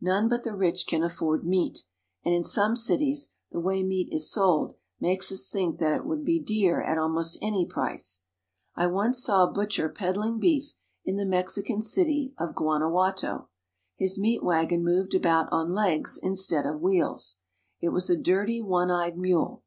None but the rich can afford meat, and in some cities the way meat is sold makes us think that it would be dear at almost any price. I once saw a butcher peddling beef in the Mexican city of Guanajuato. His meat wagon moved about on legs instead of wheels. It was a dirty, one eyed mule.